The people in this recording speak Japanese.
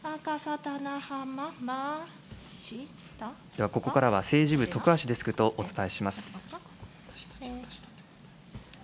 ではここからは政治部、徳橋デスクとお伝えします。